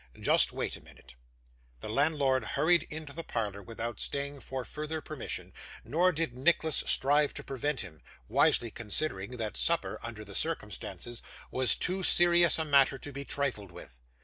Just wait a minute.' The landlord hurried into the parlour, without staying for further permission, nor did Nicholas strive to prevent him: wisely considering that supper, under the circumstances, was too serious a matter to be trifled with.